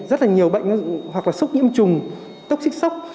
rất là nhiều bệnh hoặc là sốc nhiễm trùng tốc xích sốc